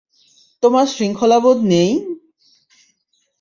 তোমার শৃঙ্খলাবোধ নেই?